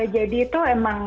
jadi itu emang